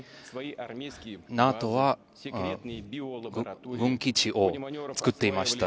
ＮＡＴＯは軍基地を作っていました。